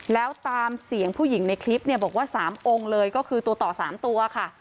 แล้วตามเสียงผู้หญิงในคลิปเนี่ยบอกว่า๓องค์เลยก็คือตัวต่อ๓ตัวค่ะ